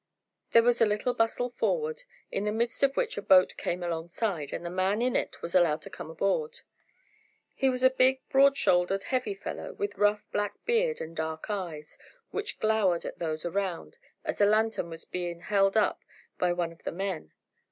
There was a little bustle forward, in the midst of which a boat came up alongside, and the man in it was allowed to come on board. He was a big, broad shouldered, heavy fellow, with rough black beard and dark eyes, which glowered at those around as a lanthorn was held up by one of the men.